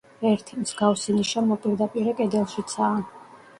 ერთი, მსგავსი ნიშა მოპირდაპირე კედელშიცაა.